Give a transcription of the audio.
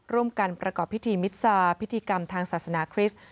ร่วมกันประกอบพิธีมิซาพิธีกรรมทางศาสนาคริสต์